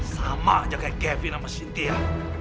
sama aja kayak kevin sama sintia